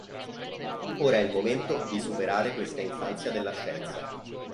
Ora è il momento di superare questa infanzia della scienza".